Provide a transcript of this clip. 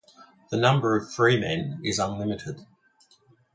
The number of Freemen is unlimited.